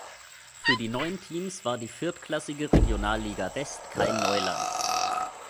Für die neuen Teams war die viertklassige Regionalliga West kein Neuland.